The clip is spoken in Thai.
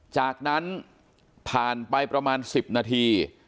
จากนั้นผ่านไปประมาณ๑๐นาที